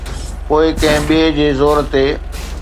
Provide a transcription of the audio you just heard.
پوءِ ڪنهن ٻئي جي زور تي.